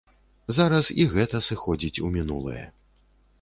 Зараз і гэта сыходзіць у мінулае.